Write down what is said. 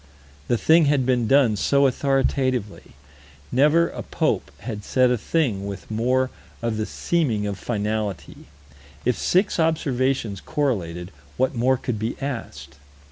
The thing had been done so authoritatively. Never a pope had said a thing with more of the seeming of finality. If six observations correlated, what more could be asked?